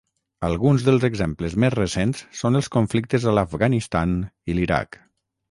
Alguns dels exemples més recents són els conflictes a l'Afganistan i l'Iraq.